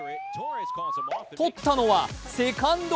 取ったのはセカンド。